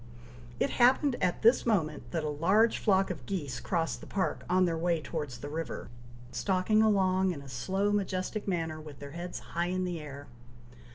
It happened at this moment, that a large flock of geese crossed the park, on their way towards the river, stalking along in a slow majestic manner, with their heads high in the air.